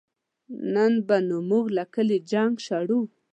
نن به نو مونږ له کلي جنګ شړو